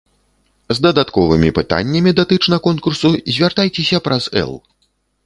З дадатковымі пытаннямі датычна конкурсу звяртайцеся праз эл.